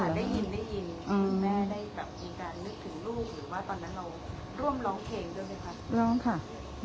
แล้วตอนนั้นเราร่มร้องเพลงด้วยว่าไงครับ